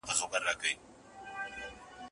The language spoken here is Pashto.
دلته شهیدي جنازې ښخېږي